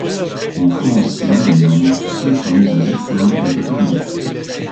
En France et en Allemagne, seul son usage externe est autorisé.